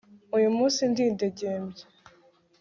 uyu munsi ndidegembya